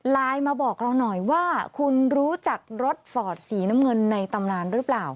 ไลน์มาบอกเราหน่อยว่าคุณรู้จักรถฟอร์ดสีน้ำเงินในตำนานหรือเปล่า